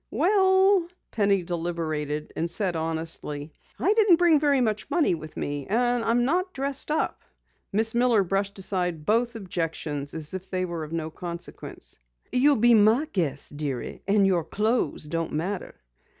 "Well " Penny deliberated and said honestly, "I didn't bring very much money with me, and I'm not dressed up." Miss Miller brushed aside both objections as if they were of no consequence. "You'll be my guest, dearie. And your clothes don't matter."